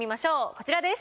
こちらです。